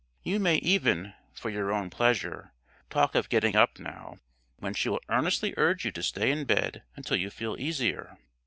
You may even (for your own pleasure) talk of getting up now, when she will earnestly urge you to stay in bed until you feel easier.